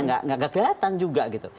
gak kelihatan juga gitu